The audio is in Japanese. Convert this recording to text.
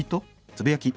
つぶやき。